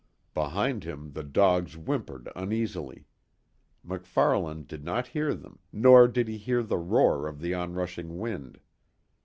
Behind him the dogs whimpered uneasily. MacFarlane did not hear them, nor did he hear the roar of the onrushing wind.